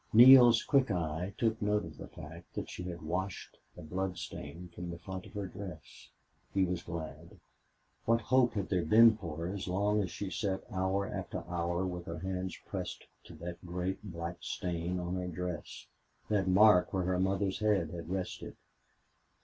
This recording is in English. Neale's quick eye took note of the fact that she had washed the blood stain from the front of her dress. He was glad. What hope had there been for her so long as she sat hour after hour with her hands pressed to that great black stain on her dress that mark where her mother's head had rested?